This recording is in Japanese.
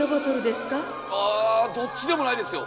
あどっちでもないですよ。